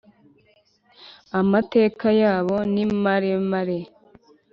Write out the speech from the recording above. Amateka yabo nimaremare.